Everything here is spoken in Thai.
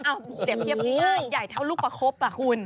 เดี๋ยวเทียบใหญ่เท่าลูกประคบอ่ะคุณ